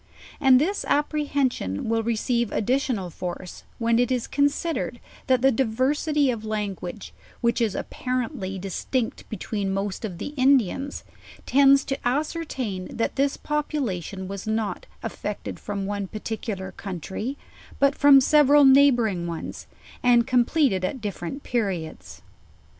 And this apprehension will receive additional force, when it is considered that the diversity of language, which is appar ently distinct between most of the Indians, tends to ascer tain that this population was not effected from one particu lar country, but from several neighboring ones, and comple ted at different periods.